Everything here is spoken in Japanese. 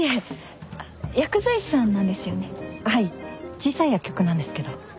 小さい薬局なんですけど。